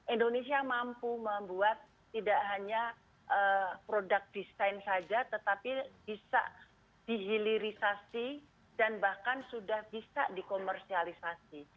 indonesia mampu membuat tidak hanya produk desain saja tetapi bisa dihilirisasi dan bahkan sudah bisa dikomersialisasi